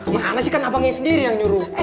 mana sih kan abangnya sendiri yang nyuruh